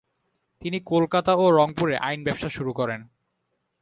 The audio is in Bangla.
তিনি কলকাতা ও রংপুরে আইন ব্যবসা শুরু করেন।